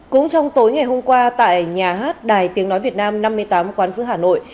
cũng trong tối ngày hôm qua tại nhà hát đài tiếng nói việt nam năm mươi tám quán sứ hà nội